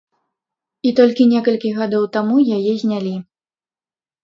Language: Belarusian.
І толькі некалькі гадоў таму яе знялі.